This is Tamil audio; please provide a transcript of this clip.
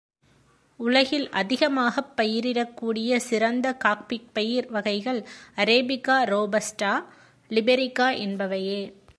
உலகில் அதிகமாகப் பயிரிடக் கூடிய சிறந்த காஃபிப்பயிர் வகைகள் அரேபிகா ரோபஸ்டா, லிபெரிகா என்பவையே.